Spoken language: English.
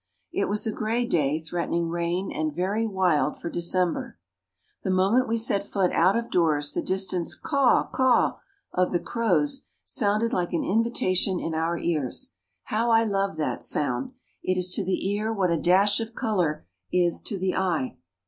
It was a gray day, threatening rain, and very wild for December. The moment we set foot out of doors the distant "caw caw" of the crows sounded like an invitation in our ears. How I love that sound! It is to the ear what a dash of color is to the eye.